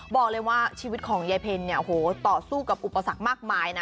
บอกเลยว่าชีวิตของยายเพลต่อสู้กับอุปสรรคมากมาย